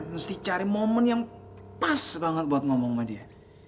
mesti cari momen yang pas banget buat ngomong sama dia